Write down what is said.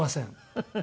フフフ！